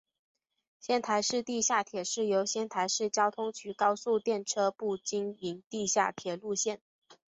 仙台市地下铁是由仙台市交通局高速电车部经营的地下铁路线。